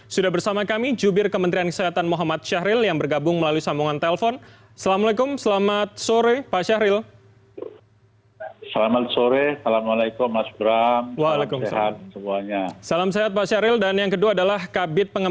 sudah bersama kami jubir kementerian kesehatan muhammad syahril yang bergabung melalui sambungan telpon